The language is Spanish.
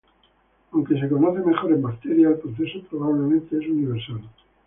Aunque se conoce mejor en bacterias, el proceso probablemente es universal.